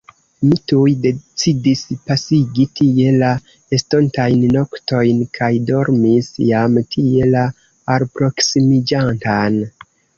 Mi tuj decidis pasigi tie la estontajn noktojn kaj dormis jam tie la alproksimiĝantan.